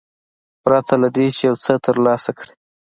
پرته له دې چې یو څه ترلاسه کړي.